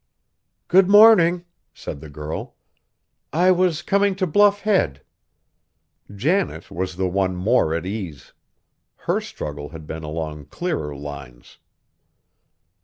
"Good morning," said the girl, "I was coming to Bluff Head." Janet was the one more at ease. Her struggle had been along clearer lines.